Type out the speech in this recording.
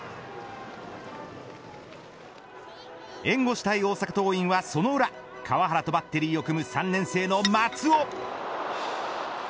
援護したい大阪桐蔭はその裏川原とバッテリーを組む３年生の松尾。